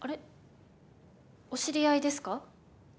お知り合いですか？